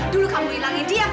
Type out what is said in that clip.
dulu kamu hilangin dia